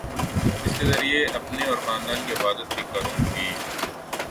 اس کے ذریعے اپنے اور خاندان کی حفاظت بھی کروں گی